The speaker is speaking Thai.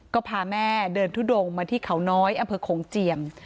ก็พาแม่เดินทุดงมาที่เขาน้อยอำเภอโขงเจียม